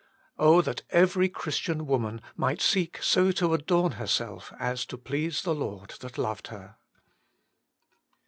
Oh! that every Christian woman might seek so to adorn herself as to please the Lord that loved her.